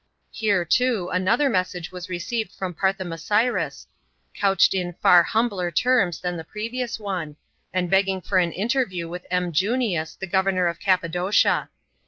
Here, too, another message was received from Parthoma iris, couched in far humbler terms than the previous one, and begging for an interview with M. Junius, the governor of Cappadocia.